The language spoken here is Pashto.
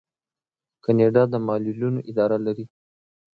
کاناډا د معلولینو اداره لري.